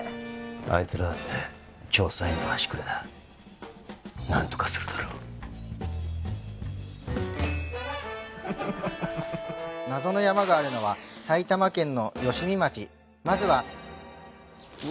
あいつらだって調査員の端くれだ何とかするだろう謎の山があるのは埼玉県の吉見町まずはうわ